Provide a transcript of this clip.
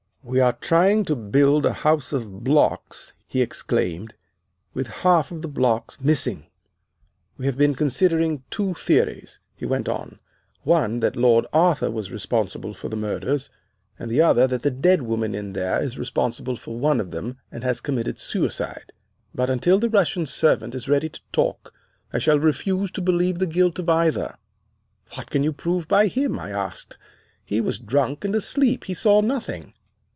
"'We are trying to build a house of blocks,' he exclaimed, 'with half of the blocks missing. We have been considering two theories,' he went on: 'one that Lord Arthur is responsible for both murders, and the other that the dead woman in there is responsible for one of them, and has committed suicide; but, until the Russian servant is ready to talk, I shall refuse to believe in the guilt of either.' "'What can you prove by him!' I asked. 'He was drunk and asleep. He saw nothing.